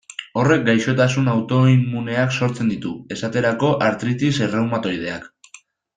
Horrek gaixotasun autoimmuneak sortzen ditu, esterako artritis erreumatoideak.